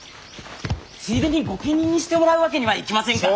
ついでに御家人にしてもらうわけにはいきませんか。